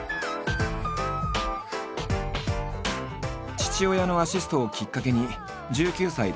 父親のアシストをきっかけに１９歳でＣＤデビュー。